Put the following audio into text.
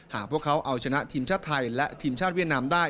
หากพวกเขาเอาชนะทีมชาติไทยและทีมชาติเวียดนามได้